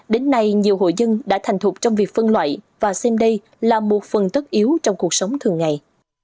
đến nay nhiều hội dân đã thành thục trong việc phân loại và xem đây là một phần tất yếu trong cuộc sống thường ngày